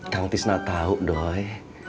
kang tisna tahu doi